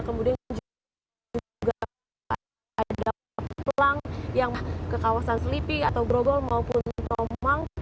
kemudian juga ada pelang yang ke kawasan selipi atau grogol maupun tomang